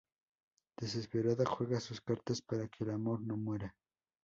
Desesperada, juega sus cartas para que el amor no muera.